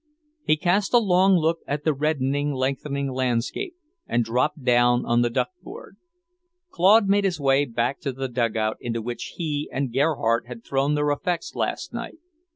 He cast a long look at the reddening, lengthening landscape, and dropped down on the duckboard. Claude made his way back to the dugout into which he and Gerhardt had thrown their effects last night.